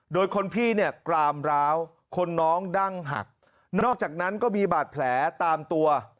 โดยคนพี่เนี่ยกรามร้าวคนน้องดั้งหักนอกจากนั้นก็มีบาดแผลตามตัว